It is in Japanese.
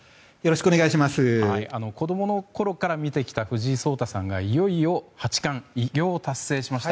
子供のころから見てきた藤井聡太さんがいよいよ八冠偉業を達成しました。